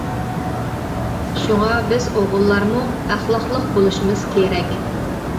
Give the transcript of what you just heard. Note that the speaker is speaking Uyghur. شۇڭا بىز ئوغۇللارمۇ ئەخلاقلىق بولۇشىمىز كېرەك.